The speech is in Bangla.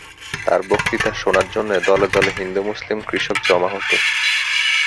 তার বক্তৃতা শোনার জন্যে দলে দলে হিন্দু মুসলিম কৃষক জমা হতো।